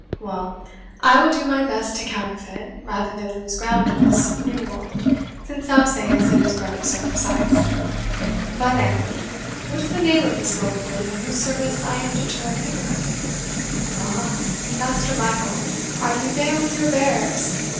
Well, I will do my best to counterfeit, rather than lose ground in this new world, since thou sayest it is grown so precise. But, Anthony, what is the name of this nobleman, in whose service I am to turn hypocrite?" "Aha! Master Michael, are you there with your bears?"